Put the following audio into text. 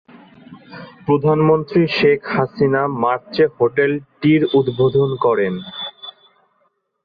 প্রধানমন্ত্রী শেখ হাসিনা মার্চে হোটেলটির উদ্বোধন করেন।